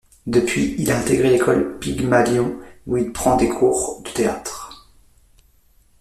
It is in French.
Depuis il a intégré l'école pygmalion où il prend des cours de théâtre.